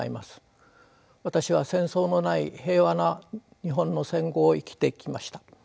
私は戦争のない平和な日本の戦後を生きてきました。